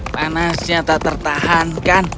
panasnya tak tertahankan